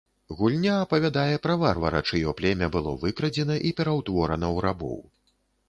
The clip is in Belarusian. Гульня апавядае пра варвара, чыё племя было выкрадзена і пераўтворана ў рабоў.